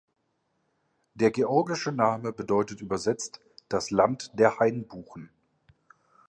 Der georgische Name bedeutet übersetzt „Das Land der Hainbuchen“.